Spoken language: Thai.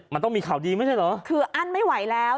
มันต้องมีข่าวดีไม่ใช่เหรอคืออั้นไม่ไหวแล้ว